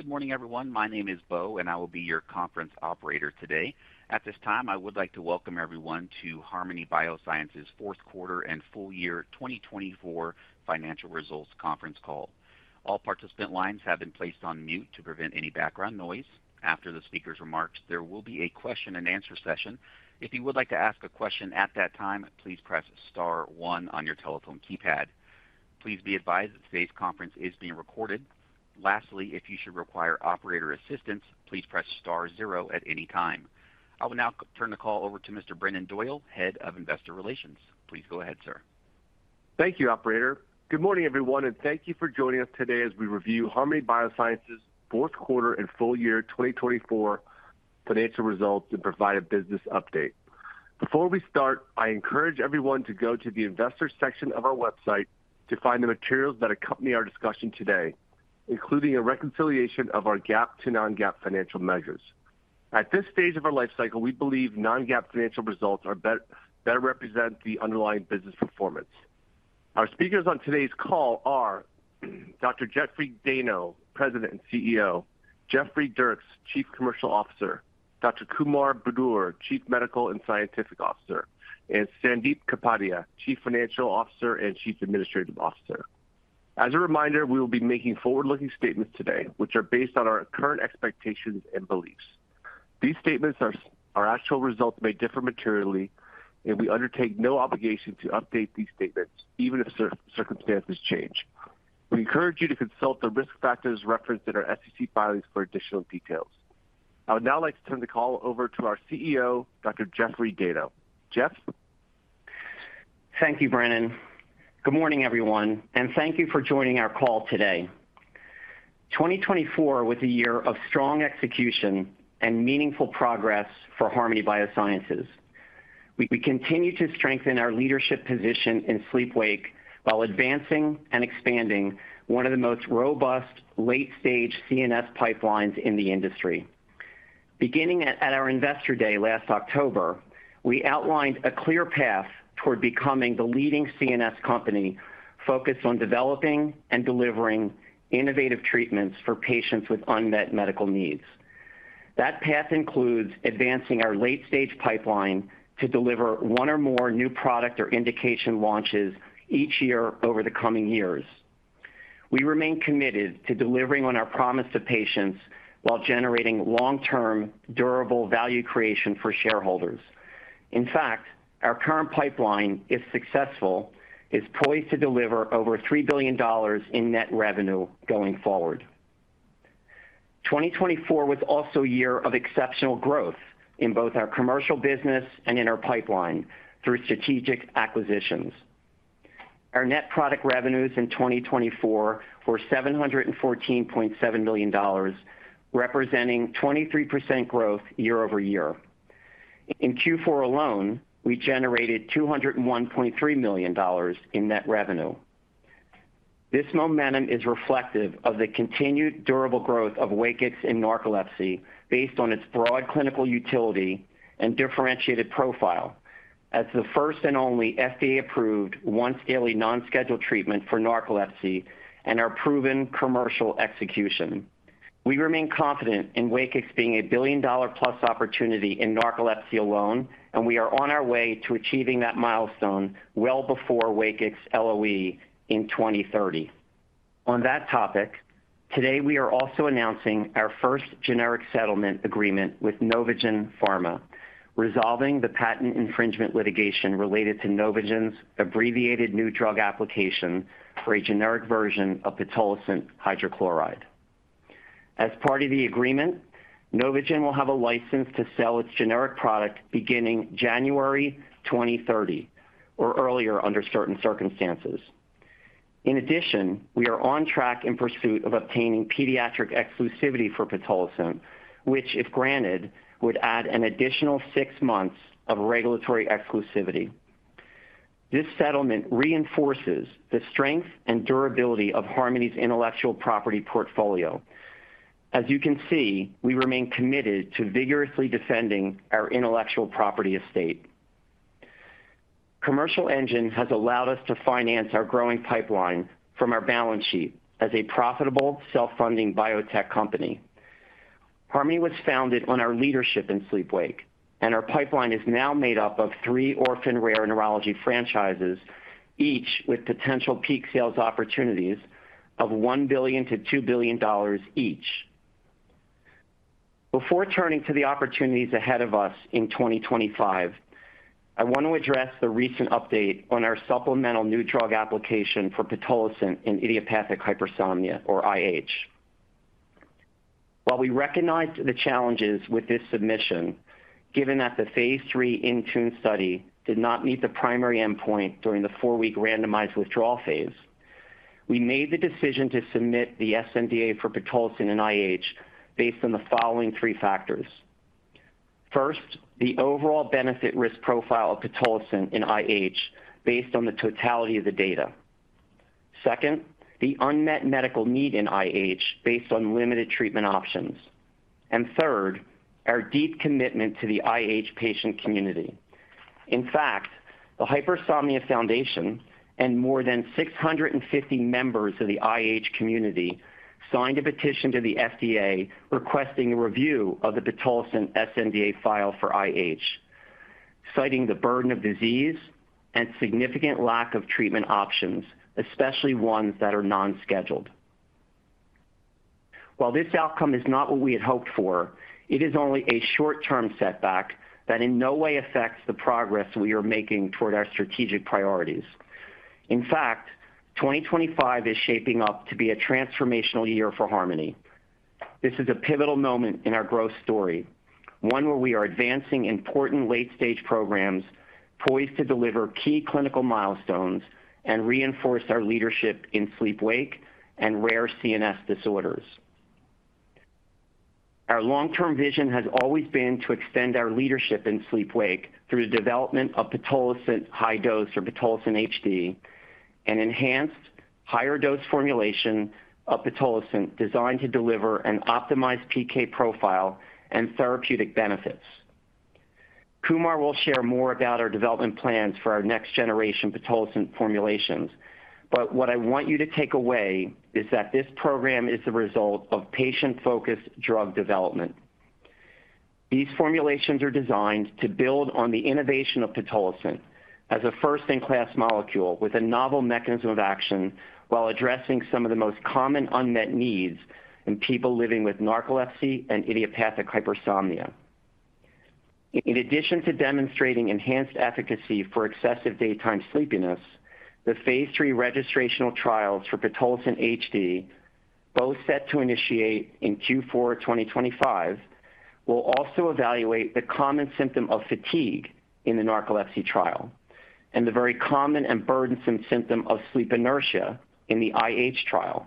Good morning, everyone. My name is Bo, and I will be your conference operator today. At this time, I would like to welcome everyone to Harmony Biosciences' fourth quarter and full year 2024 financial results conference call. All participant lines have been placed on mute to prevent any background noise. After the speaker's remarks, there will be a question-and-answer session. If you would like to ask a question at that time, please press star one on your telephone keypad. Please be advised that today's conference is being recorded. Lastly, if you should require operator assistance, please press star zero at any time. I will now turn the call over to Mr. Brennan Doyle, Head of Investor Relations. Please go ahead, sir. Thank you, Operator. Good morning, everyone, and thank you for joining us today as we review Harmony Biosciences' fourth quarter and full year 2024 financial results and provide a business update. Before we start, I encourage everyone to go to the investor section of our website to find the materials that accompany our discussion today, including a reconciliation of our GAAP-to-non-GAAP financial measures. At this stage of our life cycle, we believe non-GAAP financial results better represent the underlying business performance. Our speakers on today's call are Dr. Jeffrey Dayno, President and CEO, Jeffrey Dierks, Chief Commercial Officer, Dr. Kumar Budur, Chief Medical and Scientific Officer, and Sandip Kapadia, Chief Financial Officer and Chief Administrative Officer. As a reminder, we will be making forward-looking statements today, which are based on our current expectations and beliefs. Actual results may differ materially from these statements, and we undertake no obligation to update these statements, even if circumstances change. We encourage you to consult the risk factors referenced in our SEC filings for additional details. I would now like to turn the call over to our CEO, Dr. Jeffrey Dayno. Jeff? Thank you, Brennan. Good morning, everyone, and thank you for joining our call today. 2024 was a year of strong execution and meaningful progress for Harmony Biosciences. We continue to strengthen our leadership position in sleep-wake while advancing and expanding one of the most robust late-stage CNS pipelines in the industry. Beginning at our investor day last October, we outlined a clear path toward becoming the leading CNS company focused on developing and delivering innovative treatments for patients with unmet medical needs. That path includes advancing our late-stage pipeline to deliver one or more new product or indication launches each year over the coming years. We remain committed to delivering on our promise to patients while generating long-term, durable value creation for shareholders. In fact, our current pipeline, if successful, is poised to deliver over $3 billion in net revenue going forward. 2024 was also a year of exceptional growth in both our commercial business and in our pipeline through strategic acquisitions. Our net product revenues in 2024 were $714.7 million, representing 23% growth year-over-year. In Q4 alone, we generated $201.3 million in net revenue. This momentum is reflective of the continued durable growth of Wakix in narcolepsy based on its broad clinical utility and differentiated profile as the first and only FDA-approved, once-daily non-scheduled treatment for narcolepsy and our proven commercial execution. We remain confident in Wakix being a billion-dollar-plus opportunity in narcolepsy alone, and we are on our way to achieving that milestone well before Wakix LOE in 2030. On that topic, today we are also announcing our first generic settlement agreement with Novugen Pharma, resolving the patent infringement litigation related to Novugen's Abbreviated New Drug Application for a generic version of pitolisant hydrochloride. As part of the agreement, Novagen will have a license to sell its generic product beginning January 2030 or earlier under certain circumstances. In addition, we are on track in pursuit of obtaining pediatric exclusivity for Pitolisant, which, if granted, would add an additional six months of regulatory exclusivity. This settlement reinforces the strength and durability of Harmony's intellectual property portfolio. As you can see, we remain committed to vigorously defending our intellectual property estate. Commercial Engine has allowed us to finance our growing pipeline from our balance sheet as a profitable self-funding biotech company. Harmony was founded on our leadership in sleep-wake, and our pipeline is now made up of three orphan-rare neurology franchises, each with potential peak sales opportunities of $1 billion-$2 billion each. Before turning to the opportunities ahead of us in 2025, I want to address the recent update on our supplemental new drug application for pitolisant in idiopathic hypersomnia, or IH. While we recognize the challenges with this submission, given that the phase III Intune study did not meet the primary endpoint during the four-week randomized withdrawal phase, we made the decision to submit the sNDA for pitolisant in IH based on the following three factors. First, the overall benefit-risk profile of pitolisant in IH based on the totality of the data. Second, the unmet medical need in IH based on limited treatment options. And third, our deep commitment to the IH patient community. In fact, the Hypersomnia Foundation and more than 650 members of the IH community signed a petition to the FDA requesting a review of the pitolisant sNDA file for IH, citing the burden of disease and significant lack of treatment options, especially ones that are non-scheduled. While this outcome is not what we had hoped for, it is only a short-term setback that in no way affects the progress we are making toward our strategic priorities. In fact, 2025 is shaping up to be a transformational year for Harmony. This is a pivotal moment in our growth story, one where we are advancing important late-stage programs poised to deliver key clinical milestones and reinforce our leadership in sleep-wake and rare CNS disorders. Our long-term vision has always been to extend our leadership in sleep-wake through the development of Pitolisant high dose, or Pitolisant HD, and enhanced higher dose formulation of Pitolisant designed to deliver an optimized PK profile and therapeutic benefits. Kumar will share more about our development plans for our next generation Pitolisant formulations, but what I want you to take away is that this program is the result of patient-focused drug development. These formulations are designed to build on the innovation of Pitolisant as a first-in-class molecule with a novel mechanism of action while addressing some of the most common unmet needs in people living with narcolepsy and idiopathic hypersomnia. In addition to demonstrating enhanced efficacy for excessive daytime sleepiness, the phase III registrational trials for Pitolisant HD, both set to initiate in Q4 2025, will also evaluate the common symptom of fatigue in the narcolepsy trial and the very common and burdensome symptom of sleep inertia in the IH trial.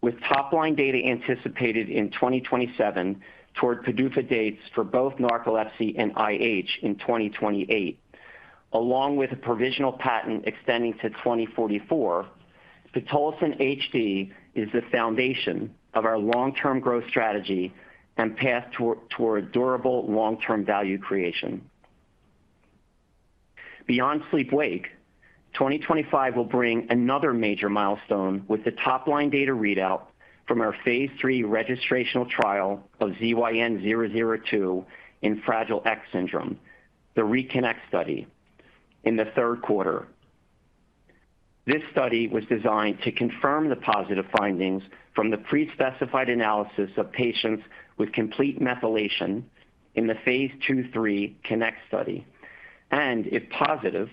With top-line data anticipated in 2027 toward PDUFA dates for both narcolepsy and IH in 2028, along with a provisional patent extending to 2044, Pitolisant HD is the foundation of our long-term growth strategy and path toward durable long-term value creation. Beyond sleep-wake, 2025 will bring another major milestone with the top-line data readout from our phase III registrational trial of ZYN-002 in Fragile X syndrome, the RECONNECT study, in the third quarter. This study was designed to confirm the positive findings from the pre-specified analysis of patients with complete methylation in the phase II-three CONNECT study, and if positive,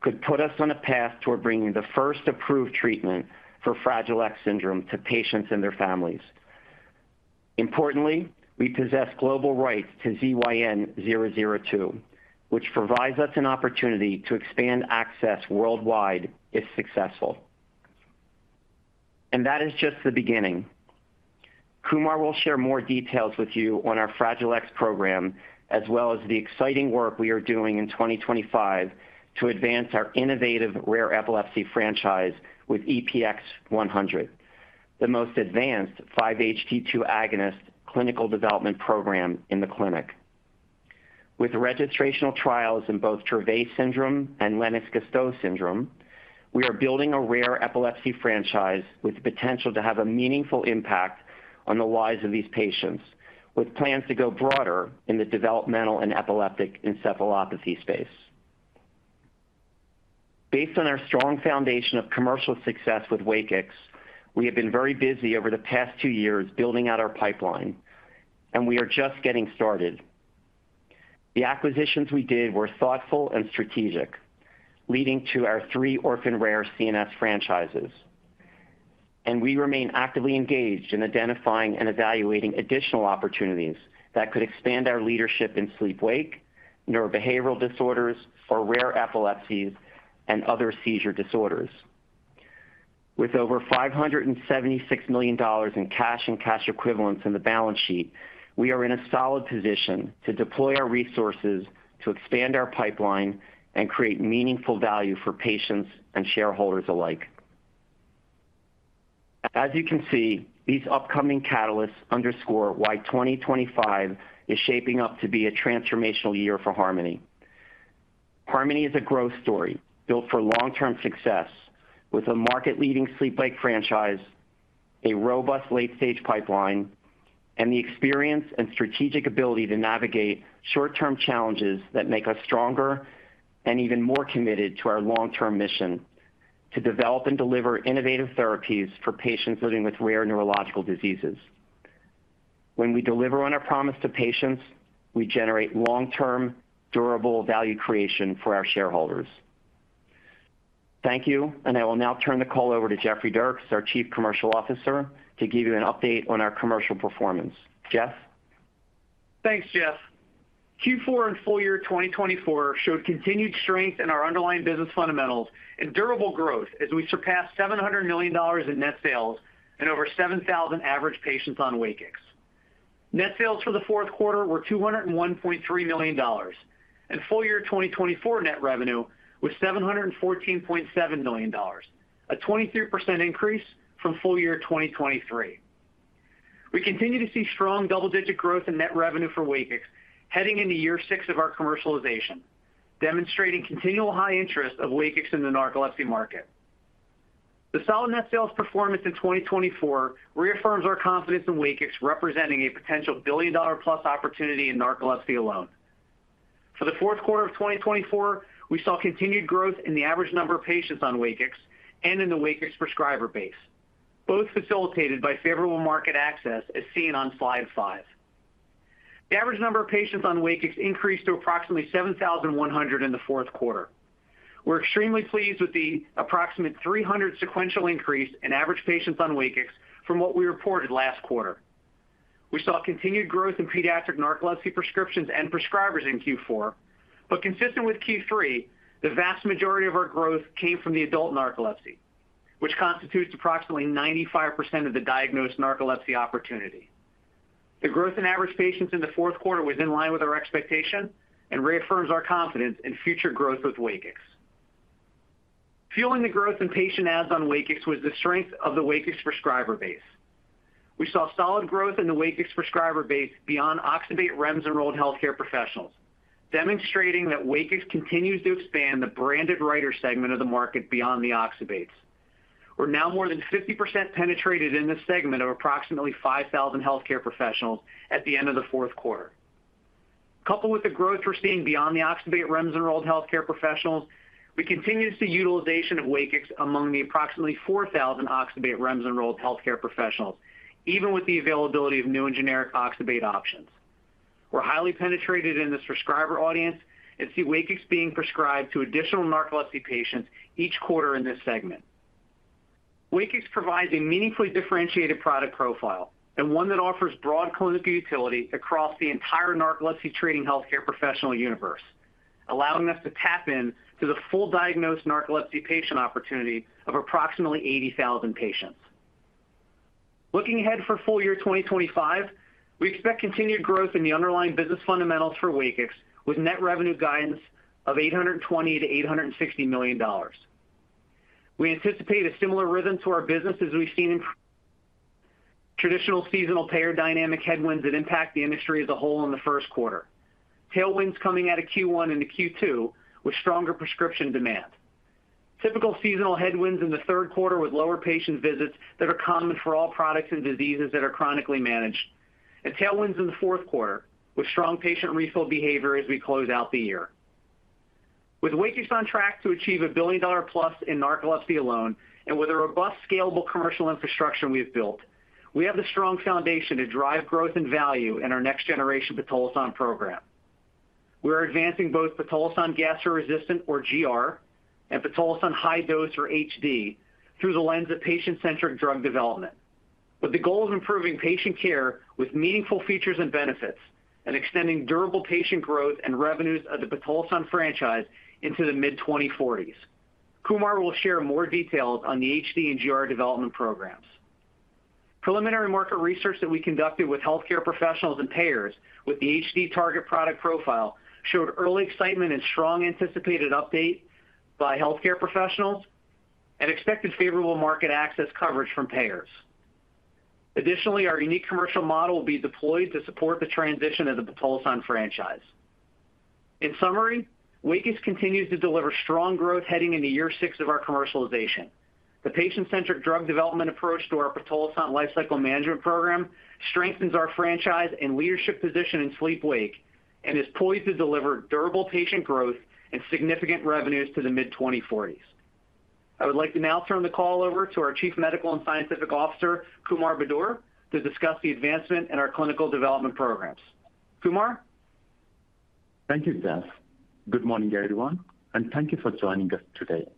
could put us on a path toward bringing the first approved treatment for Fragile X syndrome to patients and their families. Importantly, we possess global rights to ZYN-002, which provides us an opportunity to expand access worldwide if successful. And that is just the beginning. Kumar will share more details with you on our Fragile X program, as well as the exciting work we are doing in 2025 to advance our innovative rare epilepsy franchise with EPX-100, the most advanced 5-HT2 agonist clinical development program in the clinic. With registrational trials in both Dravet syndrome and Lennox-Gastaut syndrome, we are building a rare epilepsy franchise with the potential to have a meaningful impact on the lives of these patients, with plans to go broader in the developmental and epileptic encephalopathy space. Based on our strong foundation of commercial success with Wakix, we have been very busy over the past two years building out our pipeline, and we are just getting started. The acquisitions we did were thoughtful and strategic, leading to our three orphan-rare CNS franchises, and we remain actively engaged in identifying and evaluating additional opportunities that could expand our leadership in sleep-wake, neurobehavioral disorders, or rare epilepsies and other seizure disorders. With over $576 million in cash and cash equivalents in the balance sheet, we are in a solid position to deploy our resources to expand our pipeline and create meaningful value for patients and shareholders alike. As you can see, these upcoming catalysts underscore why 2025 is shaping up to be a transformational year for Harmony. Harmony is a growth story built for long-term success with a market-leading sleep-wake franchise, a robust late-stage pipeline, and the experience and strategic ability to navigate short-term challenges that make us stronger and even more committed to our long-term mission to develop and deliver innovative therapies for patients living with rare neurological diseases. When we deliver on our promise to patients, we generate long-term, durable value creation for our shareholders. Thank you, and I will now turn the call over to Jeffrey Dierks, our Chief Commercial Officer, to give you an update on our commercial performance. Jeff? Thanks, Jeff. Q4 and full year 2024 showed continued strength in our underlying business fundamentals and durable growth as we surpassed $700 million in net sales and over 7,000 average patients on Wakix. Net sales for the fourth quarter were $201.3 million, and full year 2024 net revenue was $714.7 million, a 23% increase from full year 2023. We continue to see strong double-digit growth in net revenue for Wakix heading into year six of our commercialization, demonstrating continual high interest of Wakix in the narcolepsy market. The solid net sales performance in 2024 reaffirms our confidence in Wakix representing a potential billion-dollar-plus opportunity in narcolepsy alone. For the fourth quarter of 2024, we saw continued growth in the average number of patients on Wakix and in the Wakix prescriber base, both facilitated by favorable market access as seen on slide five. The average number of patients on Wakix increased to approximately 7,100 in the fourth quarter. We're extremely pleased with the approximate 300 sequential increase in average patients on Wakix from what we reported last quarter. We saw continued growth in pediatric narcolepsy prescriptions and prescribers in Q4, but consistent with Q3, the vast majority of our growth came from the adult narcolepsy, which constitutes approximately 95% of the diagnosed narcolepsy opportunity. The growth in average patients in the fourth quarter was in line with our expectation and reaffirms our confidence in future growth with Wakix. Fueling the growth in patient adds on Wakix was the strength of the Wakix prescriber base. We saw solid growth in the Wakix prescriber base beyond Oxybate REMS-enrolled healthcare professionals, demonstrating that Wakix continues to expand the branded writer segment of the market beyond the Oxybates. We're now more than 50% penetrated in this segment of approximately 5,000 healthcare professionals at the end of the fourth quarter. Coupled with the growth we're seeing beyond the Oxybate REMS-enrolled healthcare professionals, we continue to see utilization of Wakix among the approximately 4,000 Oxybate REMS-enrolled healthcare professionals, even with the availability of new and generic Oxybate options. We're highly penetrated in this prescriber audience and see Wakix being prescribed to additional narcolepsy patients each quarter in this segment. Wakix provides a meaningfully differentiated product profile and one that offers broad clinical utility across the entire narcolepsy treating healthcare professional universe, allowing us to tap into the full diagnosed narcolepsy patient opportunity of approximately 80,000 patients. Looking ahead for full year 2025, we expect continued growth in the underlying business fundamentals for Wakix with net revenue guidance of $820-$860 million. We anticipate a similar rhythm to our business as we've seen in traditional seasonal payer dynamic headwinds that impact the industry as a whole in the first quarter, tailwinds coming out of Q1 into Q2 with stronger prescription demand. Typical seasonal headwinds in the third quarter with lower patient visits that are common for all products and diseases that are chronically managed, and tailwinds in the fourth quarter with strong patient refill behavior as we close out the year. With Wakix on track to achieve $1 billion-plus in narcolepsy alone and with a robust, scalable commercial infrastructure we've built, we have the strong foundation to drive growth and value in our next generation pitolisant program. We are advancing both Pitolisant gastro-resistant, or GR, and Pitolisant high dose, or HD, through the lens of patient-centric drug development, with the goal of improving patient care with meaningful features and benefits and extending durable patient growth and revenues of the Pitolisant franchise into the mid-2040s. Kumar will share more details on the HD and GR development programs. Preliminary market research that we conducted with healthcare professionals and payers with the HD target product profile showed early excitement and strong anticipated update by healthcare professionals and expected favorable market access coverage from payers. Additionally, our unique commercial model will be deployed to support the transition of the Pitolisant franchise. In summary, Wakix continues to deliver strong growth heading into year six of our commercialization. The patient-centric drug development approach to our Pitolisant lifecycle management program strengthens our franchise and leadership position in sleep-wake and is poised to deliver durable patient growth and significant revenues to the mid-2040s. I would like to now turn the call over to our Chief Medical and Scientific Officer, Kumar Budur, to discuss the advancement in our clinical development programs. Kumar? Thank you, Jeff. Good morning, everyone, and thank you for joining us today.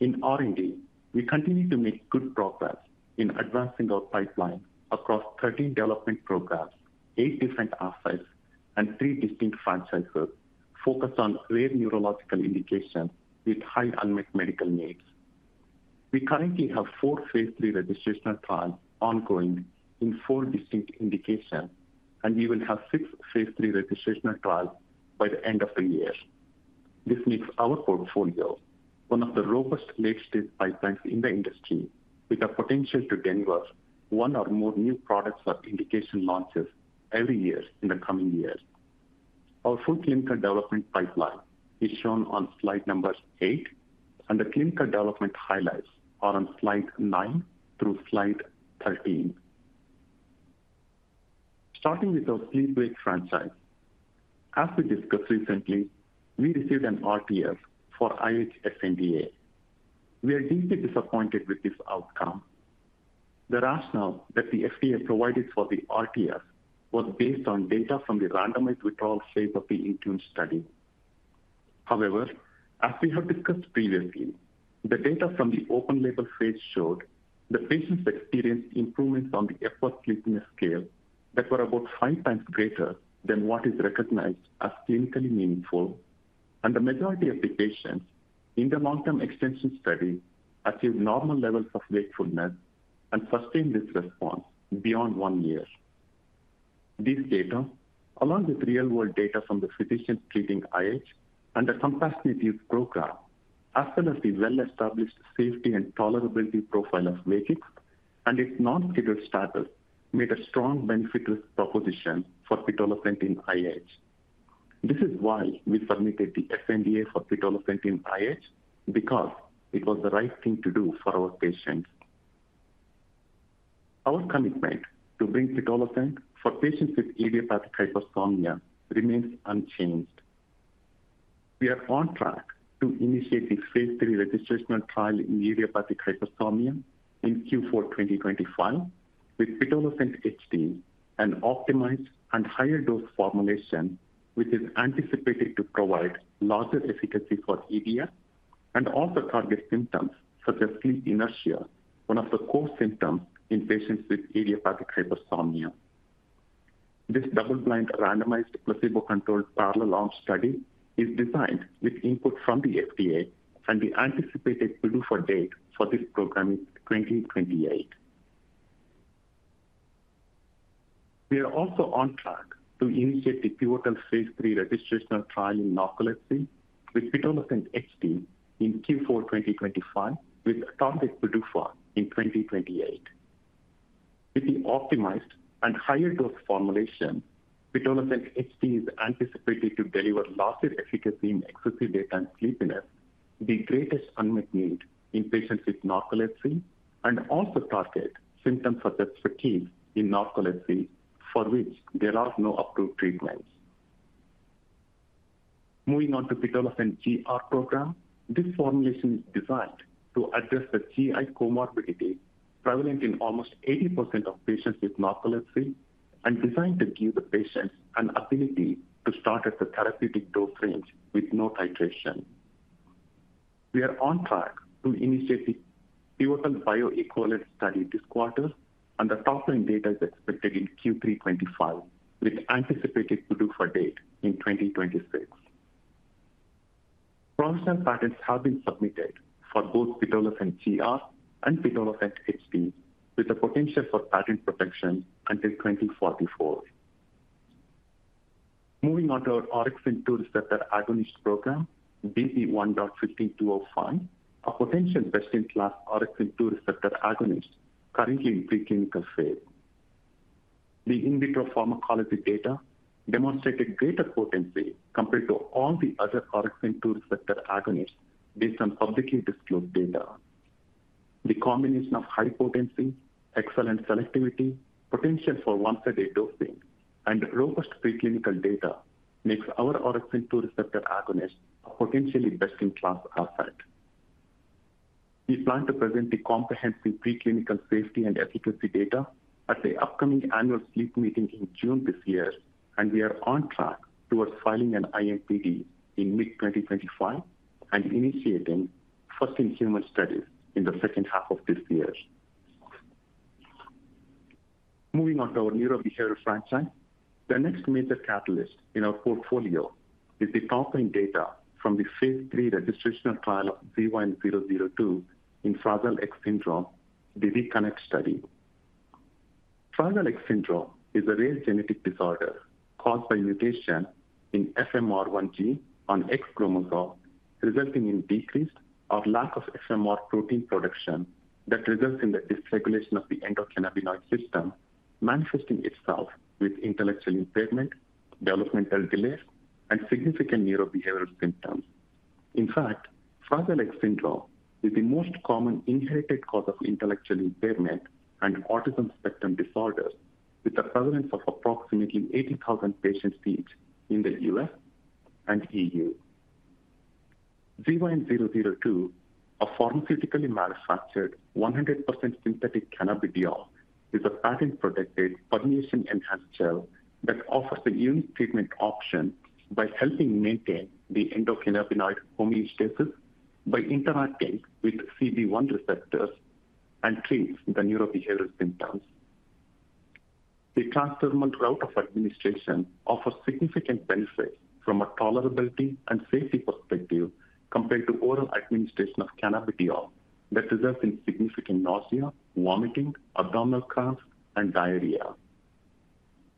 In R&D, we continue to make good progress in advancing our pipeline across 13 development programs, eight different assets, and three distinct franchises focused on rare neurological indications with high unmet medical needs. We currently have four phase III registrational trials ongoing in four distinct indications, and we will have six phase III registrational trials by the end of the year. This makes our portfolio one of the robust late-stage pipelines in the industry, with the potential to deliver one or more new products or indication launches every year in the coming years. Our full clinical development pipeline is shown on slide number eight, and the clinical development highlights are on slide nine through slide 13. Starting with our sleep-wake franchise, as we discussed recently, we received an RTF for IH sNDA. We are deeply disappointed with this outcome. The rationale that the FDA provided for the RTF was based on data from the randomized withdrawal phase of the interim study. However, as we have discussed previously, the data from the open-label phase showed the patients experienced improvements on the Epworth Sleepiness Scale that were about five times greater than what is recognized as clinically meaningful, and the majority of the patients in the long-term extension study achieved normal levels of wakefulness and sustained this response beyond one year. These data, along with real-world data from the physicians treating IH and the compassionate use program, as well as the well-established safety and tolerability profile of Wakix and its non-scheduled status, made a strong benefit risk proposition for pitolisant in IH. This is why we submitted the SNDA for pitolisant in IH, because it was the right thing to do for our patients. Our commitment to bring pitolisant for patients with idiopathic hypersomnia remains unchanged. We are on track to initiate the phase III registrational trial in idiopathic hypersomnia in Q4 2025 with pitolisant HD, an optimized and higher dose formulation which is anticipated to provide larger efficacy for EDS and also target symptoms such as sleep inertia, one of the core symptoms in patients with idiopathic hypersomnia. This double-blind randomized placebo-controlled parallel arm study is designed with input from the FDA, and the anticipated PDUFA date for this program is 2028. We are also on track to initiate the pivotal phase III registrational trial in narcolepsy with pitolisant HD in Q4 2025, with target PDUFA in 2028. With the optimized and higher dose formulation, Pitolisant HD is anticipated to deliver larger efficacy in excessive daytime sleepiness, the greatest unmet need in patients with narcolepsy, and also target symptoms such as fatigue in narcolepsy for which there are no approved treatments. Moving on to Pitolisant GR program, this formulation is designed to address the GI comorbidity prevalent in almost 80% of patients with narcolepsy and designed to give the patients an ability to start at the therapeutic dose range with no titration. We are on track to initiate the pivotal bioequivalence study this quarter, and the top-line data is expected in Q3 2025, with anticipated PDUFA date in 2026. Provisional patents have been submitted for both Pitolisant GR and Pitolisant HD, with the potential for patent protection until 2044. Moving on to our Orexin-2 receptor agonist program, BP1.15205, a potential best-in-class Orexin-2 receptor agonist currently in preclinical phase. The in vitro pharmacology data demonstrated greater potency compared to all the other Orexin-2 receptor agonists based on publicly disclosed data. The combination of high potency, excellent selectivity, potential for once-a-day dosing, and robust preclinical data makes our Orexin-2 receptor agonist a potentially best-in-class asset. We plan to present the comprehensive preclinical safety and efficacy data at the upcoming annual sleep meeting in June this year, and we are on track towards filing an IMPD in mid-2025 and initiating first-in-human studies in the second half of this year. Moving on to our neurobehavioral franchise, the next major catalyst in our portfolio is the top-line data from the phase III registrational trial of ZYN002 in Fragile X syndrome, the ReConnect study. Fragile X syndrome is a rare genetic disorder caused by mutation in FMR1 gene on X chromosome, resulting in decreased or lack of FMR protein production that results in the dysregulation of the endocannabinoid system, manifesting itself with intellectual impairment, developmental delays, and significant neurobehavioral symptoms. In fact, Fragile X syndrome is the most common inherited cause of intellectual impairment and autism spectrum disorders, with the prevalence of approximately 80,000 patients each in the US and EU. ZYN002, a pharmaceutically manufactured 100% synthetic cannabidiol, is a patent-protected formulation enhanced gel that offers a unique treatment option by helping maintain the endocannabinoid homeostasis by interacting with CB1 receptors and treats the neurobehavioral symptoms. The transdermal route of administration offers significant benefits from a tolerability and safety perspective compared to oral administration of cannabidiol that results in significant nausea, vomiting, abdominal cramps, and diarrhea.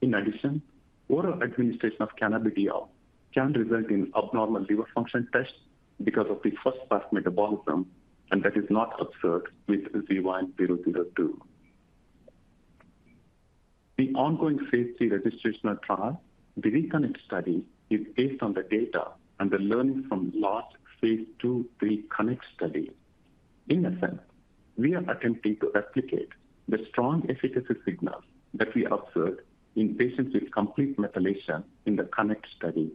In addition, oral administration of cannabidiol can result in abnormal liver function tests because of the first-pass metabolism, and that is not observed with ZYN-002. The ongoing phase III registrational trial, the ReConnect study, is based on the data and the learnings from last phase II ReConnect study. In essence, we are attempting to replicate the strong efficacy signals that we observed in patients with complete methylation in the CONNECT study.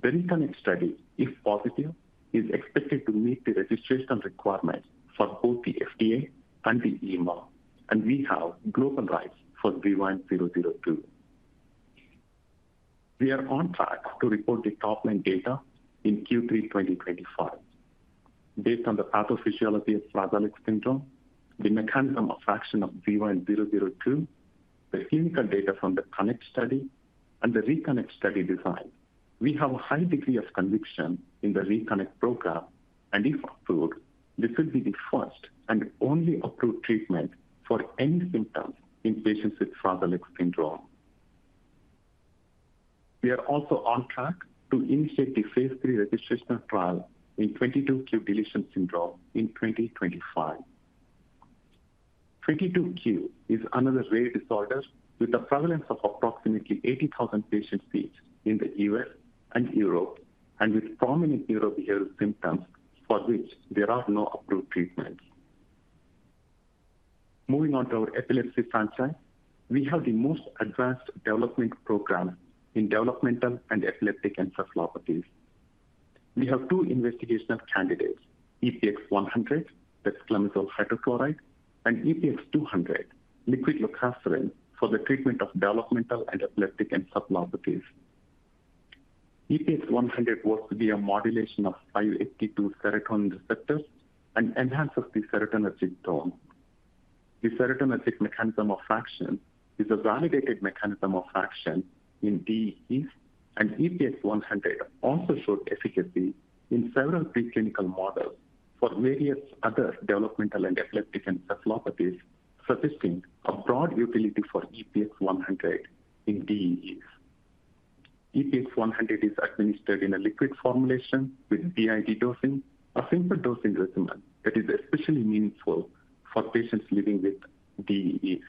The ReConnect study, if positive, is expected to meet the registration requirements for both the FDA and the EMA, and we have global rights for ZYN-002. We are on track to report the top-line data in Q3 2025. Based on the pathophysiology of Fragile X syndrome, the mechanism of action of ZYN002, the clinical data from the connect study, and the reconnect study design, we have a high degree of conviction in the reconnect program, and if approved, this will be the first and only approved treatment for any symptoms in patients with Fragile X syndrome. We are also on track to initiate the phase III registrational trial in 22q deletion syndrome in 2025. 22q is another rare disorder with the prevalence of approximately 80,000 patients each in the US and Europe, and with prominent neurobehavioral symptoms for which there are no approved treatments. Moving on to our epilepsy franchise, we have the most advanced development program in developmental and epileptic encephalopathies. We have two investigational candidates: EPX 100, that's clemizole hydrochloride, and EPX 200, liquid lorcaserin, for the treatment of developmental and epileptic encephalopathies. EPX 100 works via modulation of 5-HT2 serotonin receptors and enhances the serotonin receptor. The serotonin receptor mechanism of action is a validated mechanism of action in DEEs, and EPX 100 also showed efficacy in several preclinical models for various other developmental and epileptic encephalopathies, suggesting a broad utility for EPX 100 in DEEs. EPX 100 is administered in a liquid formulation with BID dosing, a simple dosing regimen that is especially meaningful for patients living with DEEs.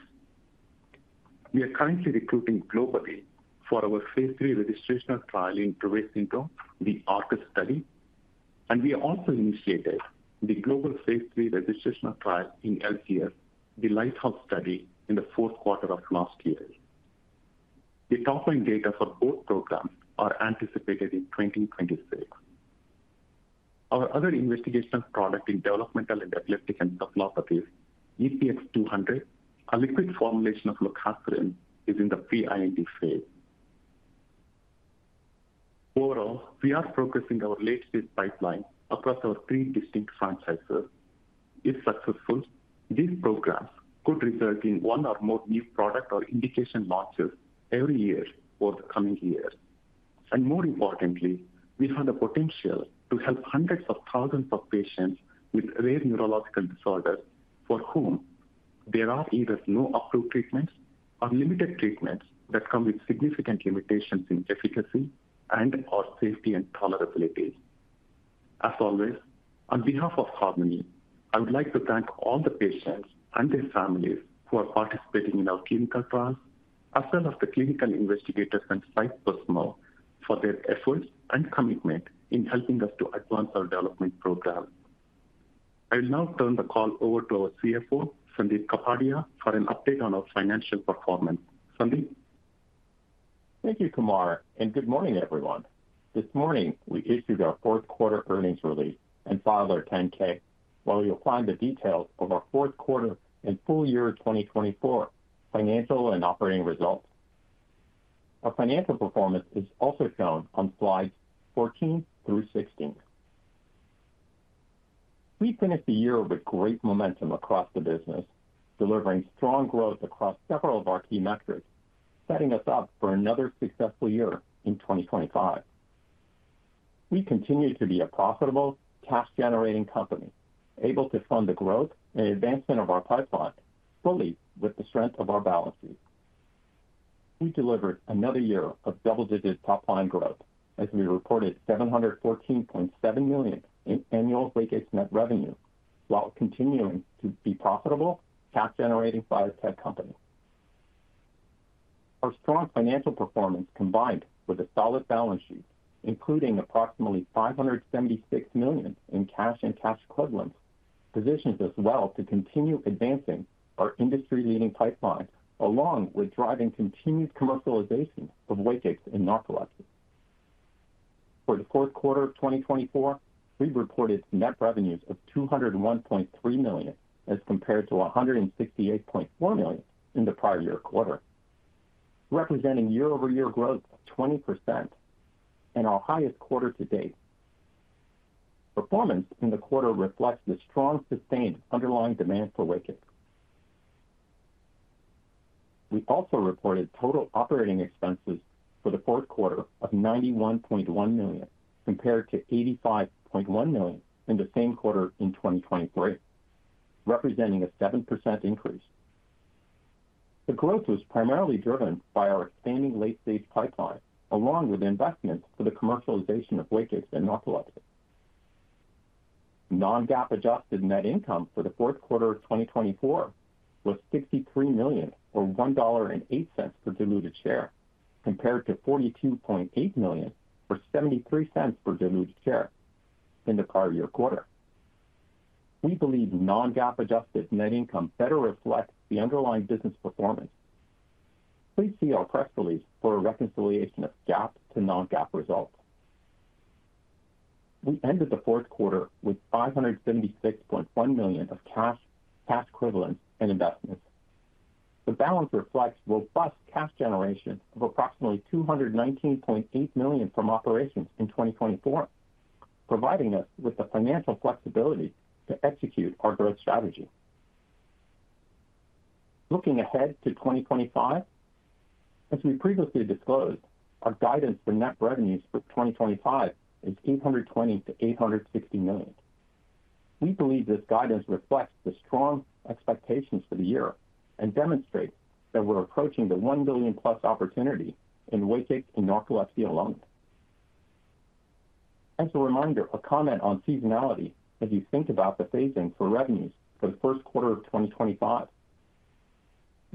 We are currently recruiting globally for our phase III registrational trial in Dravet syndrome, the ARCA study, and we also initiated the global phase III registrational trial in LGS, the lighthouse study in the fourth quarter of last year. The top-line data for both programs are anticipated in 2026. Our other investigational product in developmental and epileptic encephalopathies, EPX 200, a liquid formulation of lorcaserin, is in the pre-IND phase. Overall, we are progressing our late-stage pipeline across our three distinct franchises. If successful, these programs could result in one or more new product or indication launches every year or the coming year, and more importantly, we have the potential to help hundreds of thousands of patients with rare neurological disorders for whom there are either no approved treatments or limited treatments that come with significant limitations in efficacy and/or safety and tolerability. As always, on behalf of Harmony, I would like to thank all the patients and their families who are participating in our clinical trials, as well as the clinical investigators and psych centers for their efforts and commitment in helping us to advance our development program. I will now turn the call over to our CFO, Sandip Kapadia, for an update on our financial performance. Sandip. Thank you, Kumar, and good morning, everyone. This morning, we issued our fourth quarter earnings release and filed our 10-K, where you'll find the details of our fourth quarter and full year 2024 financial and operating results. Our financial performance is also shown on slides 14 through 16. We finished the year with great momentum across the business, delivering strong growth across several of our key metrics, setting us up for another successful year in 2025. We continue to be a profitable, cash-generating company, able to fund the growth and advancement of our pipeline fully with the strength of our balance sheet. We delivered another year of double-digit top-line growth as we reported $714.7 million in annual Wakix net revenue, while continuing to be profitable, cash-generating biotech company. Our strong financial performance, combined with a solid balance sheet, including approximately $576 million in cash and cash equivalents, positions us well to continue advancing our industry-leading pipeline, along with driving continued commercialization of Wakix in narcolepsy. For the fourth quarter of 2024, we reported net revenues of $201.3 million as compared to $168.4 million in the prior year quarter, representing year-over-year growth of 20% and our highest quarter to date. Performance in the quarter reflects the strong sustained underlying demand for Wakix. We also reported total operating expenses for the fourth quarter of $91.1 million compared to $85.1 million in the same quarter in 2023, representing a 7% increase. The growth was primarily driven by our expanding late-stage pipeline, along with investments for the commercialization of Wakix in narcolepsy. Non-GAAP adjusted net income for the fourth quarter of 2024 was $63 million, or $1.08 per diluted share, compared to $42.8 million, or $0.73 per diluted share in the prior year quarter. We believe Non-GAAP adjusted net income better reflects the underlying business performance. Please see our press release for a reconciliation of GAAP to Non-GAAP results. We ended the fourth quarter with $576.1 million of cash, cash equivalents, and investments. The balance reflects robust cash generation of approximately $219.8 million from operations in 2024, providing us with the financial flexibility to execute our growth strategy. Looking ahead to 2025, as we previously disclosed, our guidance for net revenues for 2025 is $820 million-$860 million. We believe this guidance reflects the strong expectations for the year and demonstrates that we're approaching the $1 billion-plus opportunity in Wakix in narcolepsy alone. As a reminder, a comment on seasonality as you think about the phasing for revenues for the first quarter of 2025.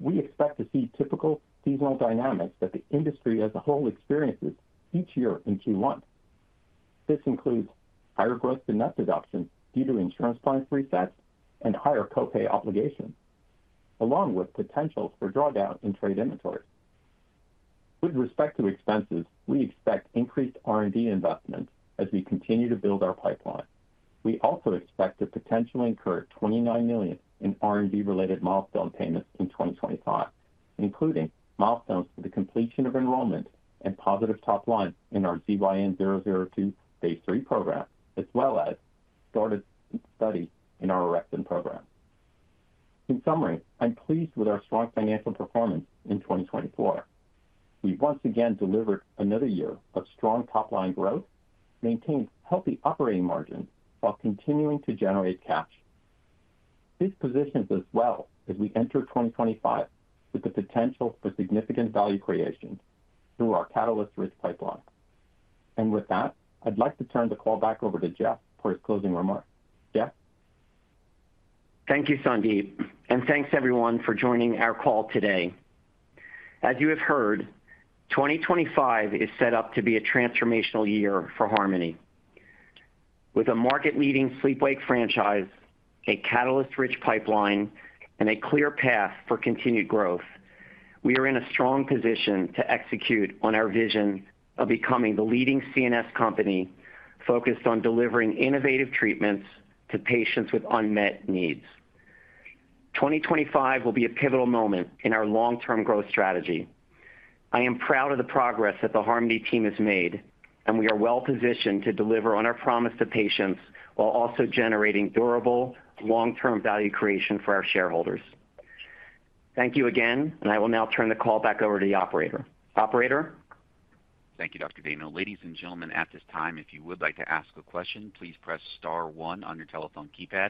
We expect to see typical seasonal dynamics that the industry as a whole experiences each year in Q1. This includes higher growth in net deductions due to insurance plans reset and higher copay obligations, along with potential for drawdown in trade inventory. With respect to expenses, we expect increased R&D investments as we continue to build our pipeline. We also expect to potentially incur $29 million in R&D-related milestone payments in 2025, including milestones for the completion of enrollment and positive top line in our ZYN-002 phase III program, as well as started study in our Orexin program. In summary, I'm pleased with our strong financial performance in 2024. We once again delivered another year of strong top-line growth, maintained healthy operating margins while continuing to generate cash. This positions us well as we enter 2025 with the potential for significant value creation through our catalyst-rich pipeline. With that, I'd like to turn the call back over to Jeff for his closing remarks. Jeff. Thank you, Sandip, and thanks everyone for joining our call today. As you have heard, 2025 is set up to be a transformational year for Harmony. With a market-leading sleep-wake franchise, a catalyst-rich pipeline, and a clear path for continued growth, we are in a strong position to execute on our vision of becoming the leading CNS company focused on delivering innovative treatments to patients with unmet needs. 2025 will be a pivotal moment in our long-term growth strategy. I am proud of the progress that the Harmony team has made, and we are well positioned to deliver on our promise to patients while also generating durable, long-term value creation for our shareholders. Thank you again, and I will now turn the call back over to the operator. Operator. Thank you, Dr. Dayno. Ladies and gentlemen, at this time, if you would like to ask a question, please press star one on your telephone keypad.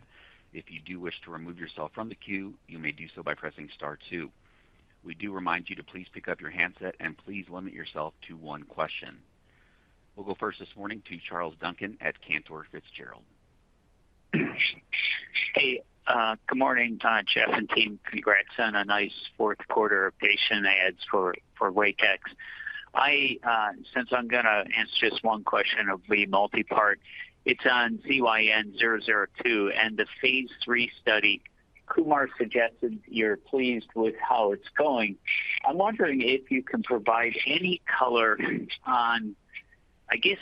If you do wish to remove yourself from the queue, you may do so by pressing star two. We do remind you to please pick up your handset and please limit yourself to one question. We'll go first this morning to Charles Duncan at Cantor Fitzgerald. Hey, good morning, Jeff and team. Congrats on a nice fourth quarter patient ads for Wakix. Since I'm going to answer just one question of the multi-part, it's on ZYN-002 and the phase III study. Kumar suggested you're pleased with how it's going. I'm wondering if you can provide any color on, I guess,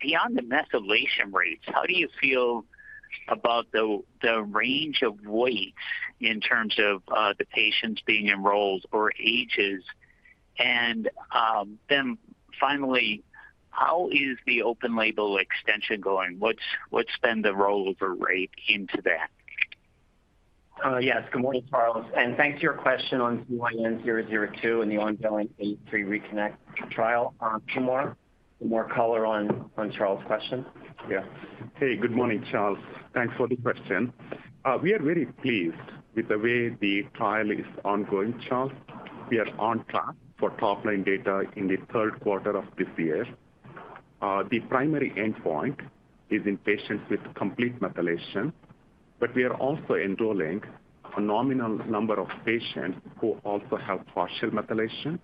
beyond the methylation rates. How do you feel about the range of weights in terms of the patients being enrolled or ages? And then finally, how is the open label extension going? What's been the rollover rate into that? Yes, good morning, Charles. And thanks for your question on ZYN-002 and the ongoing phase III ReConnect trial. Kumar, more color on Charles' question. Yeah. Hey, good morning, Charles. Thanks for the question. We are very pleased with the way the trial is ongoing, Charles. We are on track for top-line data in the third quarter of this year. The primary endpoint is in patients with complete methylation, but we are also enrolling a nominal number of patients who also have partial methylation.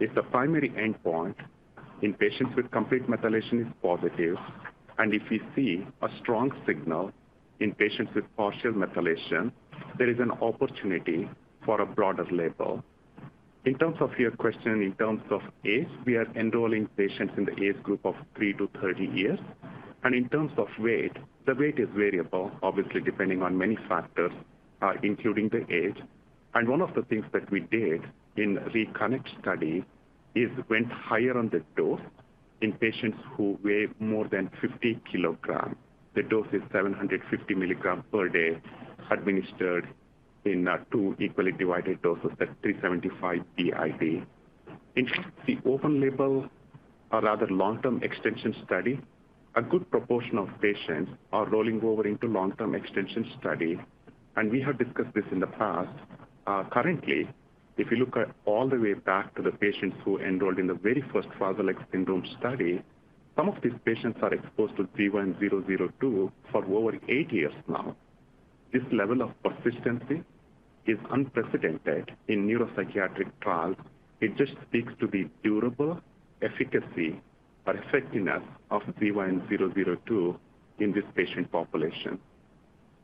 If the primary endpoint in patients with complete methylation is positive, and if we see a strong signal in patients with partial methylation, there is an opportunity for a broader label. In terms of your question, in terms of age, we are enrolling patients in the age group of 3-30 years. In terms of weight, the weight is variable, obviously, depending on many factors, including the age. One of the things that we did in reconnect studies is went higher on the dose in patients who weigh more than 50 kilograms. The dose is 750 milligrams per day administered in two equally divided doses at 375 BID. In fact, the open label, rather long-term extension study, a good proportion of patients are rolling over into long-term extension study, and we have discussed this in the past. Currently, if you look all the way back to the patients who enrolled in the very first Fragile X syndrome study, some of these patients are exposed to ZYN-002 for over eight years now. This level of persistency is unprecedented in neuropsychiatric trials. It just speaks to the durable efficacy or effectiveness of ZYN-002 in this patient population.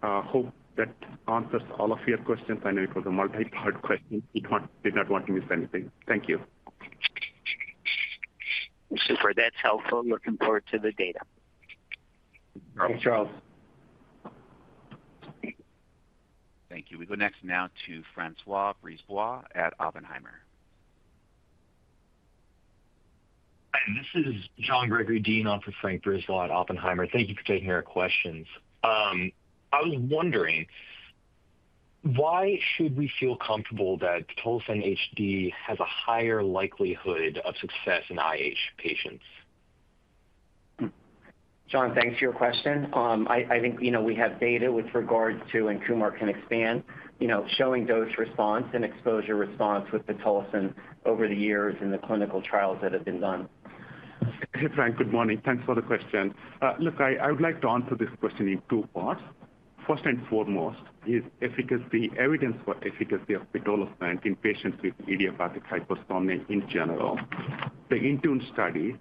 I hope that answers all of your questions. I know it was a multi-part question. We did not want to miss anything. Thank you. Thank you for that. That's helpful. Looking forward to the data. Thanks, Charles. Thank you. We go next now to Francois Brisbois at Oppenheimer. Hi, this is John Gregory Dean on behalf of Francois Brisbois at Oppenheimer. Thank you for taking our questions. I was wondering, why should we feel comfortable that Pitolisant HD has a higher likelihood of success in IH patients? John, thanks for your question. I think we have data with regard to, and Kumar can expand, showing dose response and exposure response with the Pitolisant over the years in the clinical trials that have been done. Hey, Frank, good morning. Thanks for the question. Look, I would like to answer this question in two parts. First and foremost is the evidence for efficacy of Pitolisant in patients with idiopathic hypersomnia in general. The interim study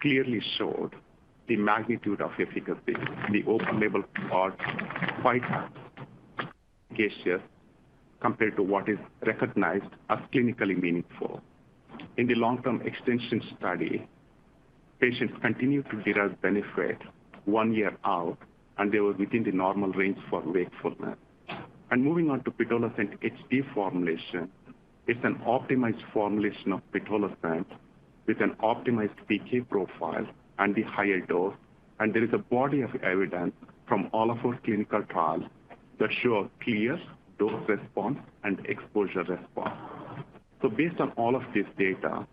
clearly showed the magnitude of efficacy in the open label part quite adequate compared to what is recognized as clinically meaningful. In the long-term extension study, patients continued to derive benefit one year out, and they were within the normal range for wakefulness. Moving on to Pitolisant HD formulation, it's an optimized formulation of Pitolisant with an optimized PK profile and the higher dose. There is a body of evidence from all of our clinical trials that show a clear dose response and exposure response. Based on all of this data,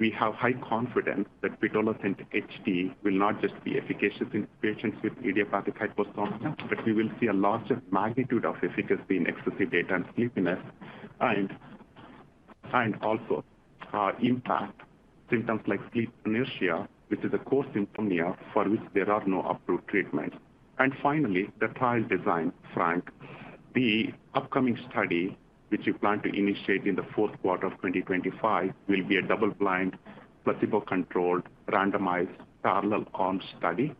we have high confidence that Pitolisant HD will not just be efficacious in patients with idiopathic hypersomnia, but we will see a larger magnitude of efficacy in excessive daytime sleepiness, and also impact symptoms like sleep inertia, which is a core symptom here for which there are no approved treatments. Finally, the trial design, Frank, the upcoming study which we plan to initiate in the fourth quarter of 2025 will be a double-blind, placebo-controlled, randomized parallel arm study.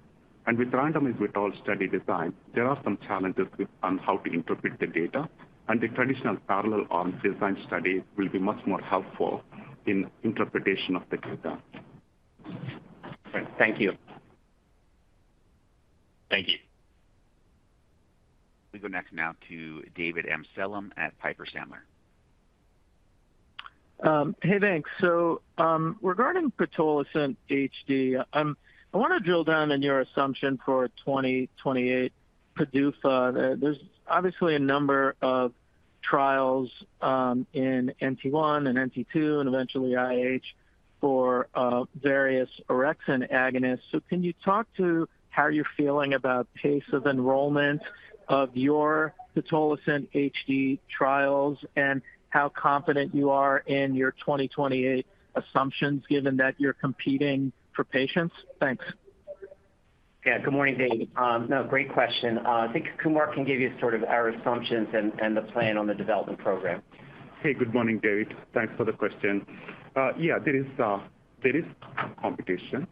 And with randomized withdrawal study design, there are some challenges on how to interpret the data, and the traditional parallel arm design study will be much more helpful in interpretation of the data. Thank you. Thank you. We go next now to David Amsellem at Piper Sandler. Hey, thanks. So regarding Pitolisant HD, I want to drill down on your assumption for 2028 PDUFA. There's obviously a number of trials in NT1 and NT2 and eventually IH for various orexin agonists. So can you talk to how you're feeling about pace of enrollment of your Pitolisant HD trials and how confident you are in your 2028 assumptions given that you're competing for patients? Thanks. Yeah, good morning, David. No, great question. I think Kumar can give you sort of our assumptions and the plan on the development program. Hey, good morning, David. Thanks for the question. Yeah, there is competition.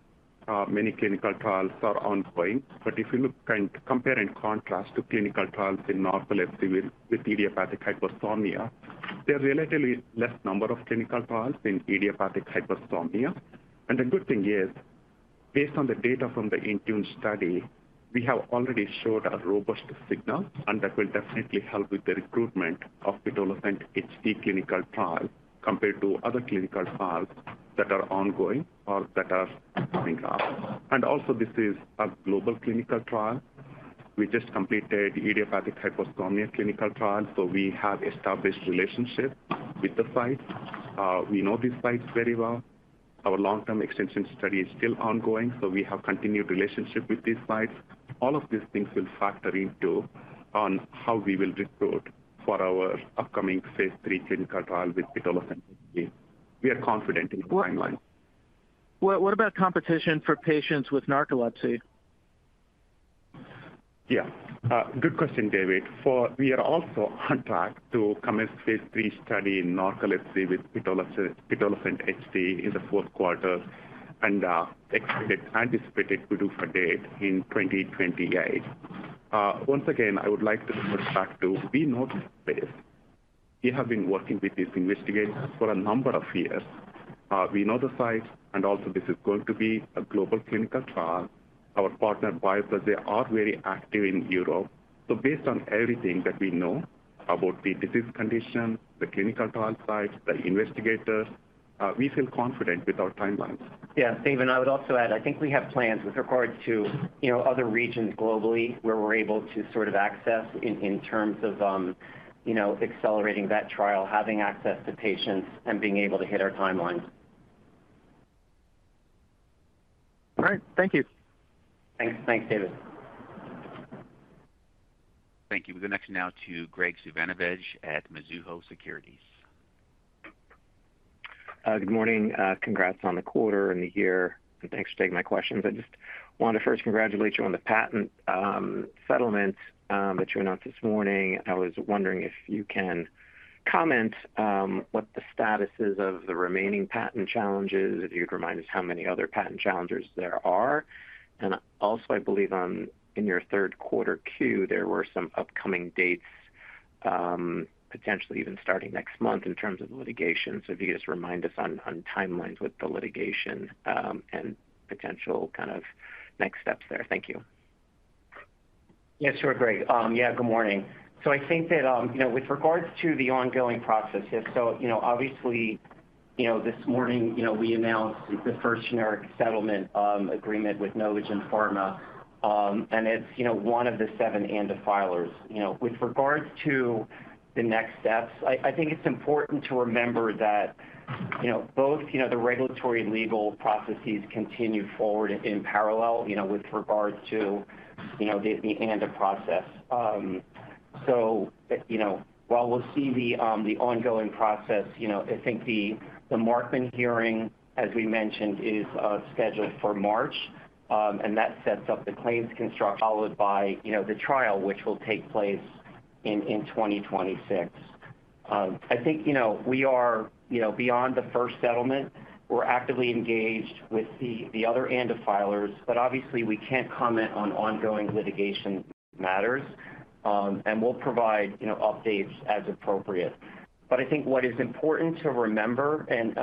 Many clinical trials are ongoing, but if you look and compare and contrast to clinical trials in narcolepsy with idiopathic hypersomnia, there are relatively less number of clinical trials in idiopathic hypersomnia. And the good thing is, based on the data from the interim study, we have already showed a robust signal and that will definitely help with the recruitment of Pitolisant HD clinical trials compared to other clinical trials that are ongoing or that are coming up. And also, this is a global clinical trial. We just completed idiopathic hypersomnia clinical trial, so we have established relationships with the sites. We know these sites very well. Our long-term extension study is still ongoing, so we have continued relationship with these sites. All of these things will factor into how we will recruit for our upcoming phase III clinical trial with Pitolisant HD. We are confident in the timeline. What about competition for patients with narcolepsy? Yeah. Good question, David. We are also on track to commence phase III study in narcolepsy with Pitolisant HD in the fourth quarter and anticipated PDUFA date in 2028. Once again, I would like to refer back to we know this space. We have been working with these investigators for a number of years. We know the sites, and also this is going to be a global clinical trial. Our partner, BioPlas, they are very active in Europe. So based on everything that we know about the disease condition, the clinical trial sites, the investigators, we feel confident with our timelines. Yeah, Steven, I would also add, I think we have plans with regard to other regions globally where we're able to sort of access in terms of accelerating that trial, having access to patients and being able to hit our timelines. All right. Thank you. Thanks. Thanks, David. Thank you. We go next now to Graig Suvannavejh at Mizuho Securities. Good morning. Congrats on the quarter and the year, and thanks for taking my questions. I just want to first congratulate you on the patent settlement that you announced this morning. I was wondering if you can comment on what the status is of the remaining patent challenges, if you could remind us how many other patent challengers there are. And also, I believe in your third quarter Q, there were some upcoming dates, potentially even starting next month in terms of litigation. So if you could just remind us on timelines with the litigation and potential kind of next steps there. Thank you. Yeah, sure, Greg. Yeah, good morning. So I think that with regards to the ongoing process here, so obviously this morning we announced the first generic settlement agreement with Novugen Pharma, and it's one of the seven ANDA filers. With regards to the next steps, I think it's important to remember that both the regulatory legal processes continue forward in parallel with regards to the ANDA process. So while we'll see the ongoing process, I think the Markman hearing, as we mentioned, is scheduled for March, and that sets up the claims construction. Followed by the trial, which will take place in 2026. I think we are beyond the first settlement. We're actively engaged with the other ANDA filers, but obviously we can't comment on ongoing litigation matters, and we'll provide updates as appropriate. But I think what is important to remember in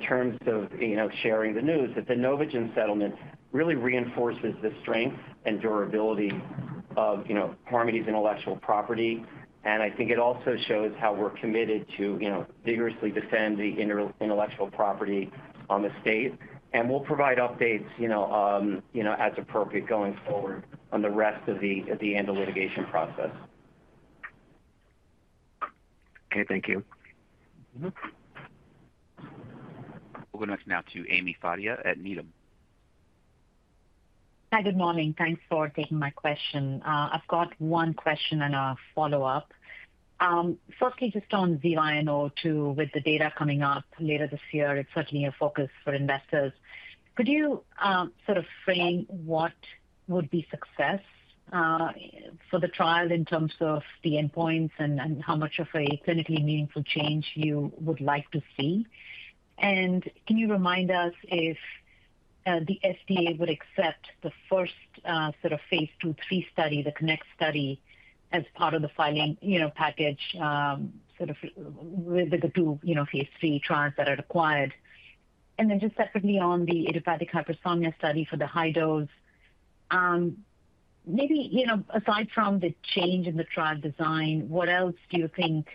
terms of sharing the news is that the Novagen settlement really reinforces the strength and durability of Harmony's intellectual property. And I think it also shows how we're committed to vigorously defend the intellectual property estate. And we'll provide updates as appropriate going forward on the rest of the ANDA litigation process. Okay, thank you. We'll go next now to Ami Fadia at Needham. Hi, good morning. Thanks for taking my question. I've got one question and a follow-up. Firstly, just on ZYN002, with the data coming up later this year, it's certainly a focus for investors. Could you sort of frame what would be success for the trial in terms of the endpoints and how much of a clinically meaningful change you would like to see? And can you remind us if the FDA would accept the first sort of phase II, three study, the CONNECT study as part of the filing package sort of with the two phase III trials that are required? And then just separately on the idiopathic hypersomnia study for the high dose, maybe aside from the change in the trial design, what else do you think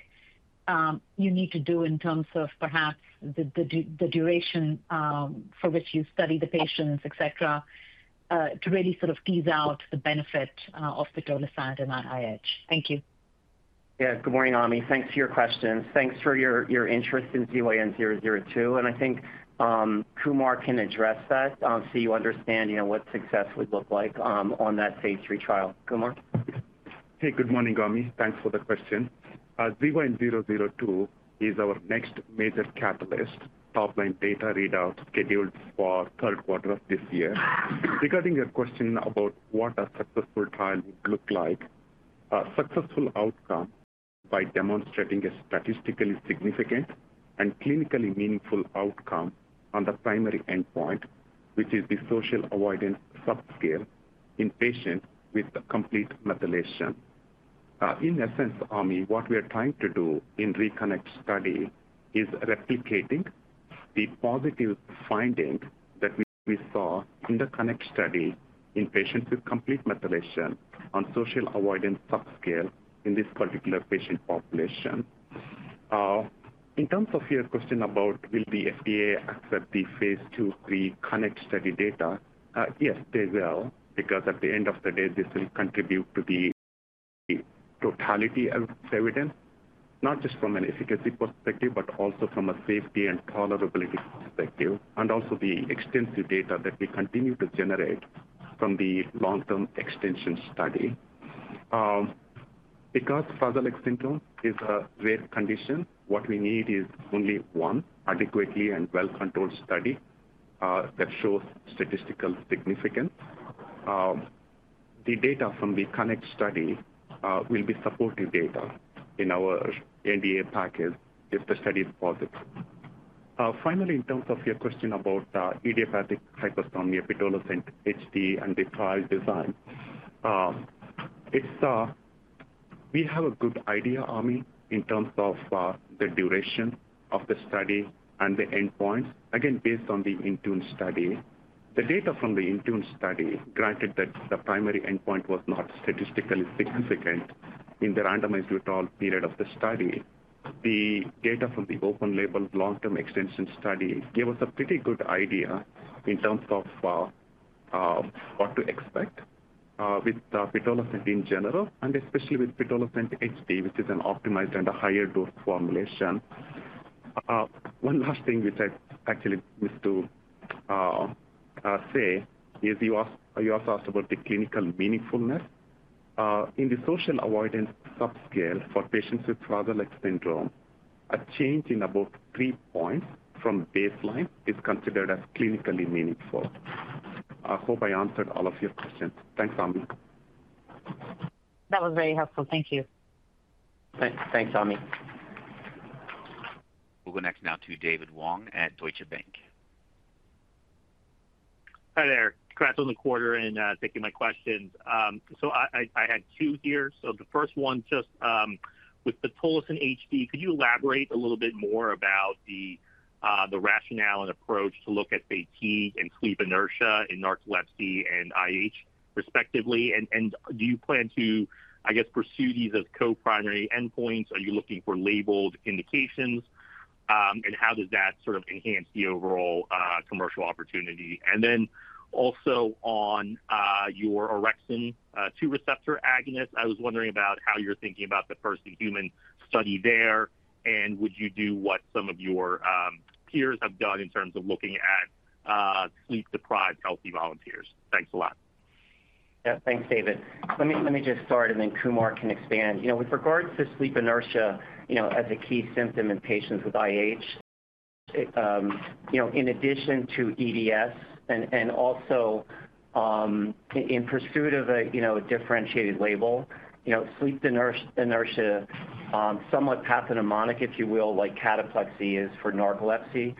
you need to do in terms of perhaps the duration for which you study the patients, etc., to really sort of tease out the benefit of pitolisant in IH? Thank you. Yeah, good morning, Ami. Thanks for your questions. Thanks for your interest in ZYN002. I think Kumar can address that so you understand what success would look like on that phase III trial. Kumar? Hey, good morning, Ami. Thanks for the question. ZYN002 is our next major catalyst, top-line data readout scheduled for third quarter of this year. Regarding your question about what a successful trial would look like, a successful outcome by demonstrating a statistically significant and clinically meaningful outcome on the primary endpoint, which is the social avoidance subscale in patients with complete methylation. In essence, Ami, what we are trying to do in reconnect study is replicating the positive findings that we saw in the connect study in patients with complete methylation on social avoidance subscale in this particular patient population. In terms of your question about will the FDA accept the phase II/3 CONNECT study data, yes, they will, because at the end of the day, this will contribute to the totality of evidence, not just from an efficacy perspective, but also from a safety and tolerability perspective, and also the extensive data that we continue to generate from the long-term extension study. Because Fragile X syndrome is a rare condition, what we need is only one adequately and well-controlled study that shows statistical significance. The data from the CONNECT study will be supportive data in our NDA package if the study is positive. Finally, in terms of your question about idiopathic hypersomnia, Pitolisant HD, and the trial design, we have a good idea, Ami, in terms of the duration of the study and the endpoints, again, based on the interim study. The data from the interim study indicated that the primary endpoint was not statistically significant in the randomized withdrawal period of the study. The data from the open label long-term extension study gave us a pretty good idea in terms of what to expect with pitolisant in general, and especially with pitolisant HD, which is an optimized and a higher dose formulation. One last thing which I actually missed to say is you also asked about the clinical meaningfulness. In the social avoidance subscale for patients with Fragile X syndrome, a change in about three points from baseline is considered as clinically meaningful. I hope I answered all of your questions. Thanks, Ami. That was very helpful. Thank you. Thanks, Ami. We'll go next now to David Wong at Deutsche Bank. Hi there. Congrats on the quarter and thank you for taking my questions. So I have two here. So the first one just with Pitolisant HD, could you elaborate a little bit more about the rationale and approach to look at fatigue and sleep inertia in narcolepsy and IH respectively? And do you plan to, I guess, pursue these as co-primary endpoints? Are you looking for labeled indications? And how does that sort of enhance the overall commercial opportunity? And then also on your Orexin-2 receptor agonist, I was wondering about how you're thinking about the first in human study there, and would you do what some of your peers have done in terms of looking at sleep-deprived healthy volunteers? Thanks a lot. Yeah, thanks, David. Let me just start, and then Kumar can expand. With regards to sleep inertia as a key symptom in patients with IH, in addition to EDS and also in pursuit of a differentiated label, sleep inertia, somewhat pathognomonic, if you will, like cataplexy is for narcolepsy.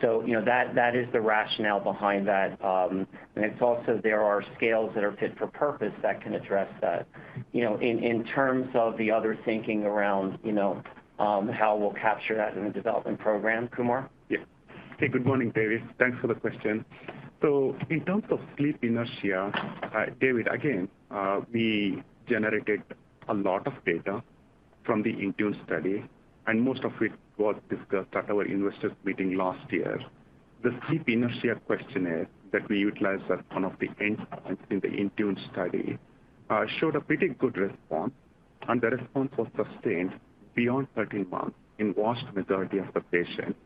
So that is the rationale behind that. And it's also there are scales that are fit for purpose that can address that in terms of the other thinking around how we'll capture that in the development program, Kumar? Yeah. Hey, good morning, David. Thanks for the question. So in terms of sleep inertia, David, again, we generated a lot of data from the interim study, and most of it was discussed at our investors' meeting last year. The sleep inertia questionnaire that we utilized at one of the endpoints in the interim study showed a pretty good response, and the response was sustained beyond 13 months in the vast majority of the patients.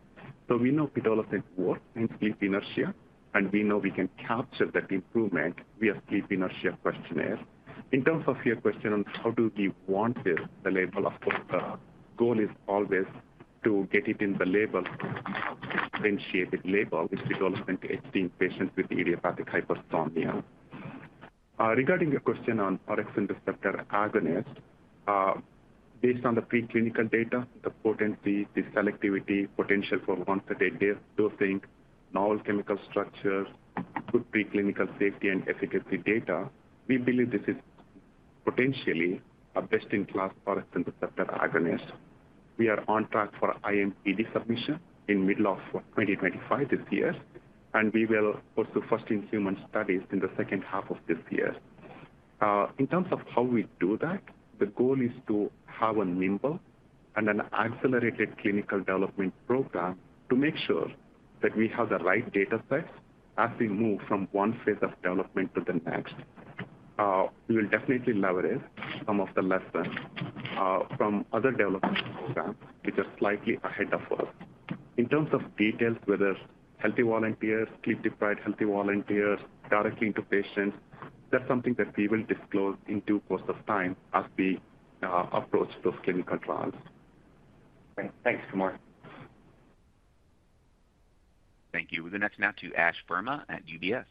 So we know pitolisant works in sleep inertia, and we know we can capture that improvement via sleep inertia questionnaire. In terms of your question on how do we want the label, of course, the goal is always to get it in the label, differentiated label, with pitolisant HD in patients with idiopathic hypersomnia. Regarding your question on orexin receptor agonist, based on the preclinical data, the potency, the selectivity, potential for once-a-day dosing, novel chemical structure, good preclinical safety and efficacy data, we believe this is potentially a best-in-class orexin receptor agonist. We are on track for IMPD submission in the middle of 2025 this year, and we will pursue first in human studies in the second half of this year. In terms of how we do that, the goal is to have a nimble and an accelerated clinical development program to make sure that we have the right data sets as we move from one phase of development to the next. We will definitely leverage some of the lessons from other development programs which are slightly ahead of us. In terms of details, whether healthy volunteers, sleep-deprived healthy volunteers, directly into patients, that's something that we will disclose in due course of time as we approach those clinical trials. \ Thanks, Kumar. Thank you. We'll go next now to Ash Verma at UBS.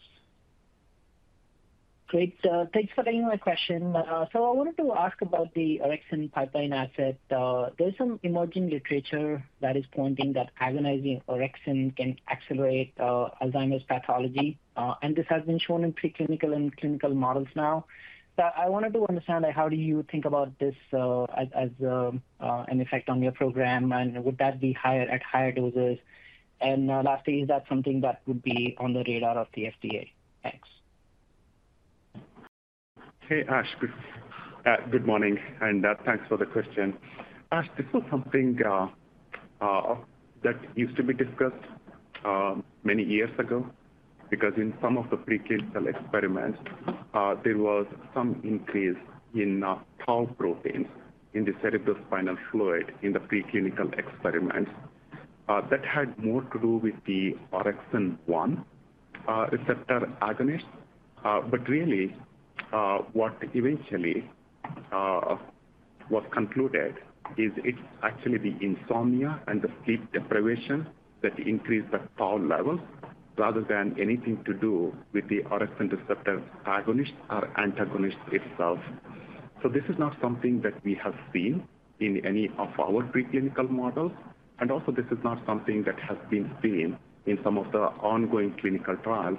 Great. Thanks for the question. So I wanted to ask about the orexin pipeline asset. There's some emerging literature that is pointing that agonizing orexin can accelerate Alzheimer's pathology, and this has been shown in preclinical and clinical models now. I wanted to understand how do you think about this as an effect on your program, and would that be at higher doses? And lastly, is that something that would be on the radar of the FDA? Thanks. Hey, Ash. Good morning, and thanks for the question. Ash, this was something that used to be discussed many years ago because in some of the preclinical experiments, there was some increase in tau proteins in the cerebrospinal fluid in the preclinical experiments. That had more to do with the orexin-1 receptor agonist. But really, what eventually was concluded is it's actually the insomnia and the sleep deprivation that increase the tau levels rather than anything to do with the orexin receptor agonist or antagonist itself. So this is not something that we have seen in any of our preclinical models. And also, this is not something that has been seen in some of the ongoing clinical trials,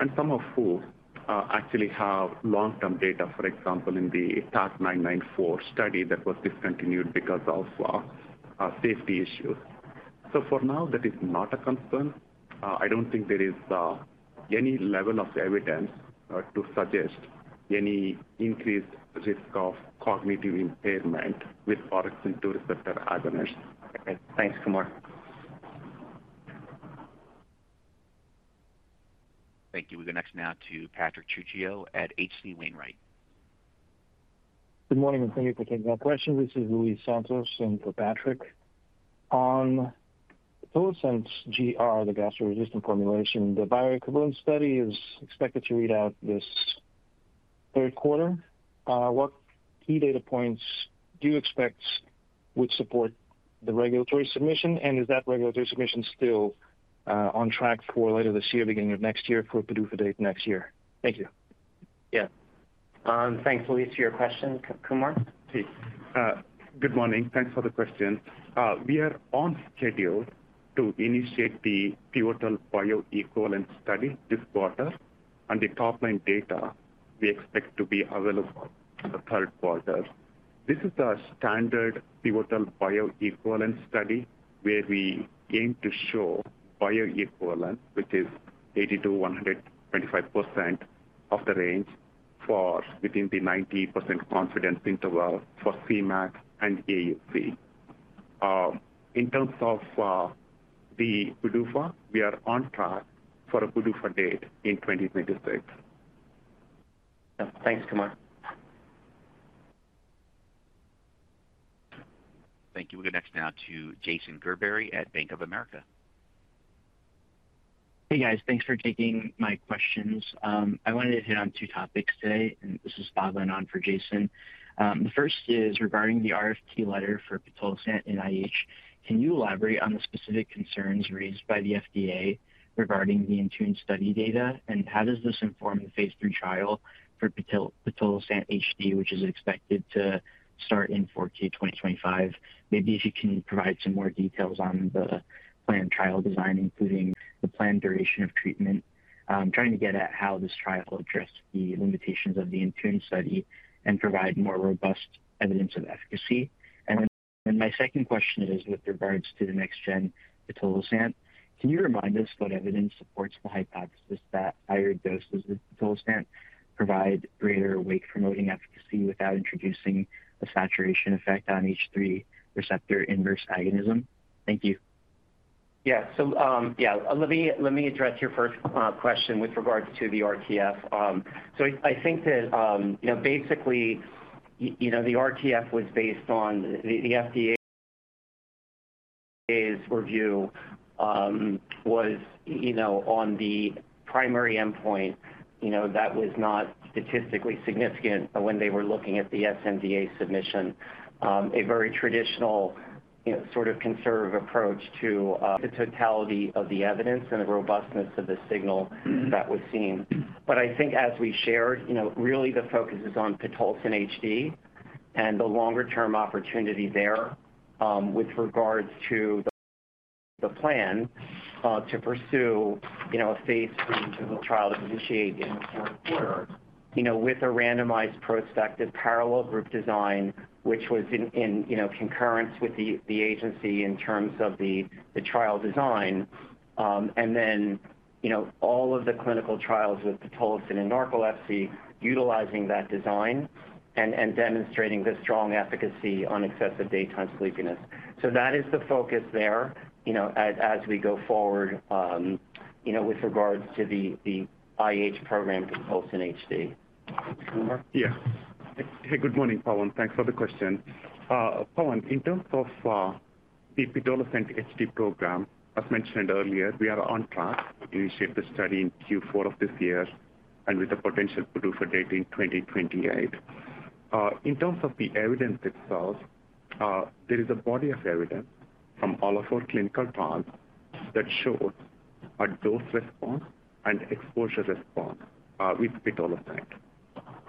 and some of whom actually have long-term data, for example, in the TARC-994 study that was discontinued because of safety issues. So for now, that is not a concern. I don't think there is any level of evidence to suggest any increased risk of cognitive impairment with orexin-2 receptor agonist. Thanks, Kumar. Thank you. We'll go next now to Patrick Trucchio at H.C. Wainwright. Good morning, and thank you for taking our questions. This is Luis Santos in for Patrick. On Pitolisant GR, the gastro-resistant formulation, the bioequivalence study is expected to read out this third quarter. What key data points do you expect would support the regulatory submission, and is that regulatory submission still on track for later this year or beginning of next year for PDUFA date next year? Thank you. Yeah. Thanks, Luis, for your question. Kumar? Good morning. Thanks for the question. We are on schedule to initiate the PDUFA date bioequivalent study this quarter, and the top-line data we expect to be available the third quarter. This is a standard PDUFA date bioequivalent study where we aim to show bioequivalent, which is 80%-125% of the range within the 90% confidence interval for Cmax and AUC. In terms of the PDUFA, we are on track for a PDUFA date in 2026. Thanks, Kumar. Thank you. We'll go next now to Jason Gerbery at Bank of America. Hey, guys. Thanks for taking my questions. I wanted to hit on two topics today, and this is Bob and Anand for Jason. The first is regarding the RTF letter for Pitolisant and IH. Can you elaborate on the specific concerns raised by the FDA regarding the interim study data, and how does this inform the phase III trial for Pitolisant HD, which is expected to start in Q4 2025? Maybe if you can provide some more details on the planned trial design, including the planned duration of treatment, trying to get at how this trial addressed the limitations of the interim study and provide more robust evidence of efficacy. And then my second question is with regards to the next-gen Pitolisant. Can you remind us what evidence supports the hypothesis that higher doses of Pitolisant provide greater wake-promoting efficacy without introducing a saturation effect on H3 receptor inverse agonism? Thank you. Yeah. So yeah, let me address your first question with regards to the RTF. So I think that basically the RTF was based on the FDA's review, which was on the primary endpoint that was not statistically significant when they were looking at the sNDA submission: a very traditional sort of conservative approach to the totality of the evidence and the robustness of the signal that was seen. But I think as we shared, really the focus is on pitolisant HD and the longer-term opportunity there with regards to the plan to pursue a phase III trial initiated in the fourth quarter with a randomized prospective parallel group design, which was in concurrence with the agency in terms of the trial design, and then all of the clinical trials with pitolisant and narcolepsy utilizing that design and demonstrating the strong efficacy on excessive daytime sleepiness. That is the focus there as we go forward with regards to the IH program, pitolisant HD. Kumar? Yeah. Hey, good morning, Bob. And thanks for the question. Bob, in terms of the Pitolisant HD program, as mentioned earlier, we are on track to initiate the study in Q4 of this year and with the potential PDUFA date in 2028. In terms of the evidence itself, there is a body of evidence from all of our clinical trials that showed a dose response and exposure response with Pitolisant.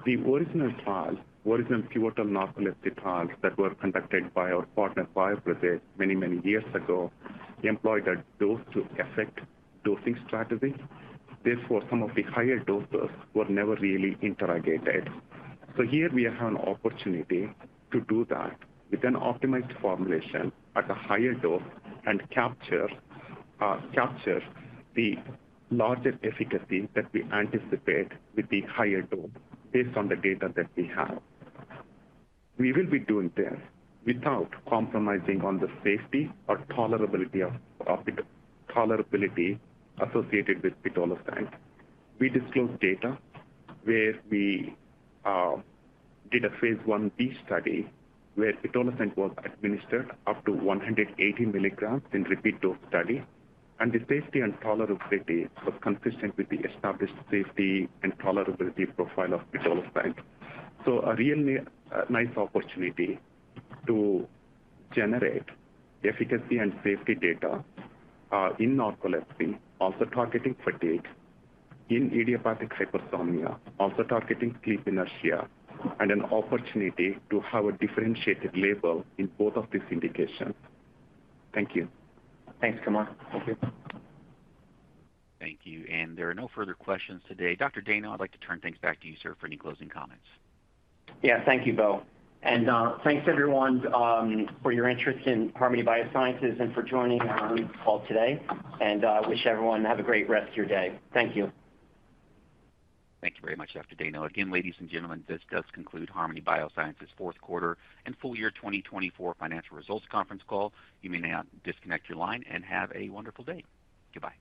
The original trials, the original pitolisant narcolepsy trials that were conducted by our partner Bioprojet many, many years ago employed a dose-to-effect dosing strategy. Therefore, some of the higher doses were never really interrogated. So here we have an opportunity to do that with an optimized formulation at a higher dose and capture the larger efficacy that we anticipate with the higher dose based on the data that we have. We will be doing this without compromising on the safety or tolerability associated with pitolisant. We disclosed data where we did a phase Ib study where pitolisant was administered up to 180 milligrams in repeat dose study, and the safety and tolerability was consistent with the established safety and tolerability profile of pitolisant. So a real nice opportunity to generate efficacy and safety data in narcolepsy, also targeting fatigue, in idiopathic hypersomnia, also targeting sleep inertia, and an opportunity to have a differentiated label in both of these indications. Thank you. Thanks, Kumar. Thank you. Thank you. And there are no further questions today. Dr. Dayno, I'd like to turn things back to you, sir, for any closing comments. Yeah. Thank you, Bill. And thanks, everyone, for your interest in Harmony Biosciences and for joining our call today, and I wish everyone have a great rest of your day. Thank you. Thank you very much, Dr. Dayno. Again, ladies and gentlemen, this does conclude Harmony Biosciences' fourth quarter and full year 2024 financial results conference call. You may now disconnect your line and have a wonderful day. Goodbye.